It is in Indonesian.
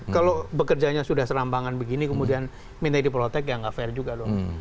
kalau bekerjanya sudah serambangan begini kemudian minta di protect ya nggak fair juga loh